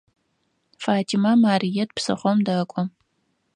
Фатимэ Марыет псыхъом дэкӏо.